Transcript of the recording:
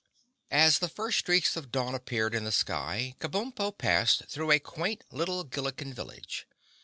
As the first streaks of dawn appeared in the sky, Kabumpo passed through a quaint little Gilliken village.